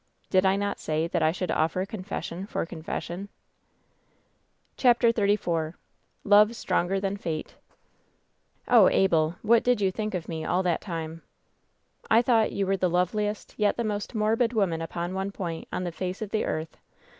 Did I not say that I should offer confession for confession V^ CHAPTER XLIV LOVE 8TB0NGEB THAN FATE "Oh, Abel ! what did you think of me all that time V^ "I thought that you were the loveliest, yet the most morbid, woman, upon one point, on the face of the earth.